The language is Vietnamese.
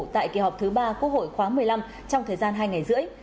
tại kỳ họp thứ ba quốc hội khóa một mươi năm trong thời gian hai ngày rưỡi